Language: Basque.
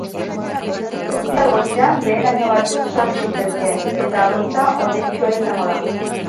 Ostiral goizean, behe-laino batzuk sor litezke, eta goiza hodeitsua izango da.